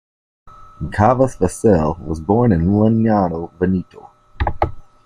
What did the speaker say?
Cavalcaselle was born in Legnago, Veneto.